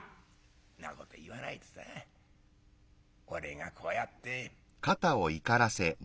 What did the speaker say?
「んなこと言わないでさ俺がこうやって」。